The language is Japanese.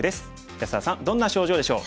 安田さんどんな症状でしょう？